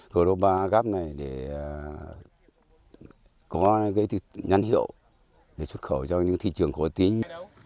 global gap này để có cái nhân hiệu để xuất khẩu cho những thị trường khổ tính